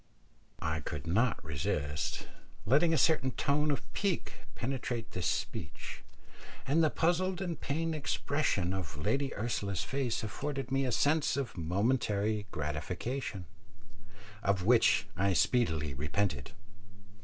I could not resist letting a certain tone of pique penetrate this speech, and the puzzled and pained expression of Lady Ursula's face afforded me a sense of momentary gratification, of which I speedily repented.